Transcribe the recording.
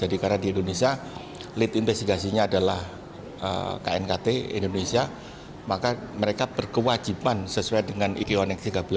jadi karena di indonesia lead investigasinya adalah knkt indonesia maka mereka berkewajiban sesuai dengan ikon x tiga belas